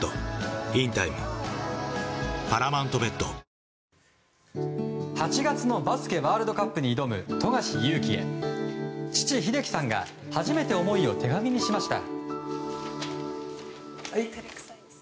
わかるぞ８月のバスケワールドカップに挑む富樫勇樹へ父・英樹さんが初めて思いを手紙にしました。